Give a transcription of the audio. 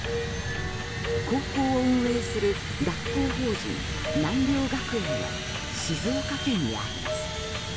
高校を運営する学校法人南陵学園は静岡県にあります。